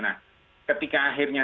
nah ketika akhirnya